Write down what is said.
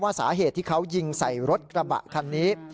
สาเหตุที่เขายิงใส่รถกระบะคันนี้